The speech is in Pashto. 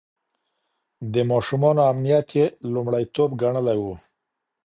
د ماشومانو امنيت يې لومړيتوب ګڼلی و.